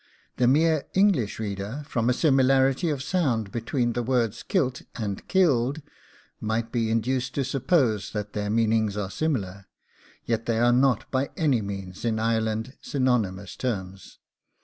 The mere English reader, from a similarity of sound between the words 'kilt' and 'killed,' might be induced to suppose that their meanings are similar, yet they are not by any means in Ireland synonymous terms.